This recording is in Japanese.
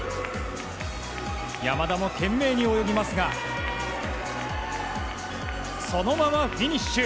山田も懸命に泳ぎますがそのままフィニッシュ。